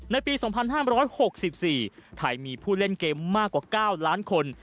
ในปี๒๕๖๔ไทยมีผู้เล่นเกมมากกว่า๙ล้านคน